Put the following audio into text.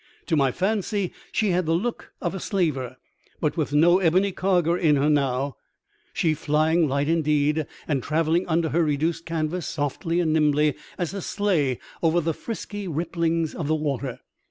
To my fancy she had the look of a slaver, but with no ebony cargo in her now. She was flying light indeed, and travelled under her reduced canvas softly and nimbly as a sleigh over the frisky ripplings of the water.